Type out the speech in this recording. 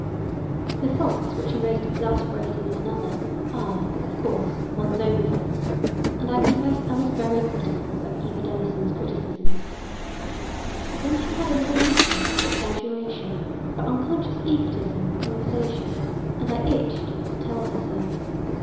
The faults which are most exasperating in another are, of course, one's own faults; and I confess that I was very critical of Eva Denison's criticisms. Then she had a little weakness for exaggeration, for unconscious egotism in conversation, and I itched to tell her so.